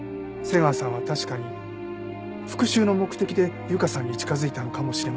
瀬川さんは確かに復讐の目的で優香さんに近づいたのかもしれません。